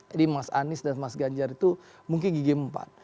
jadi mas anies dan mas ganjar itu mungkin gigi empat